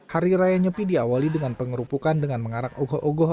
hari raya nyepi diawali dengan pengerupukan dengan mengarak ogoh ogoh